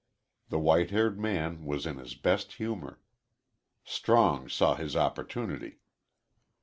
The white haired man was in his best humor. Strong saw his opportunity.